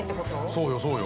◆そうよ、そうよ。